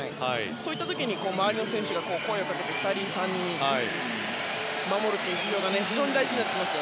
そういった時に周りの選手が声をかけて２人、３人で守るというのが非常に大事になってきます。